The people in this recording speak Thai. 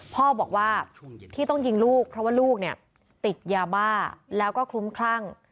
พ่อบอกว่าที่ต้องยิงลูกเพราะว่าลูกเนี่ยติดยาบ้าแล้วก็คลุ้มคลั่ง